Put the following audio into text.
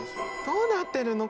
どうなってるの？